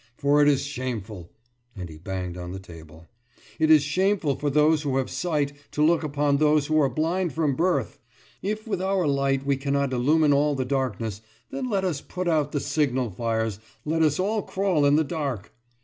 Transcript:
For it is shameful« and he banged on the table »it is shameful for those who have sight to look upon those who are blind from birth! If with our light we cannot illumine all the darkness, then let us put out the signal fires, let us all crawl in the dark!